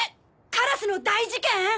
カラスの大事件！？